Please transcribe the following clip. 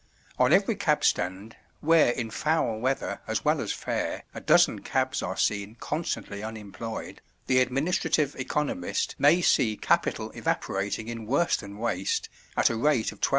On every cab stand, where in foul weather as well as fair a dozen cabs are seen constantly unemployed, the administrative economist may see capital evaporating in worse than waste at a rate of 12s.